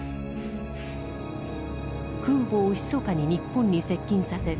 空母をひそかに日本に接近させ